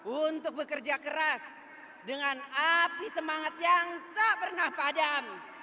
untuk bekerja keras dengan api semangat yang tak pernah padam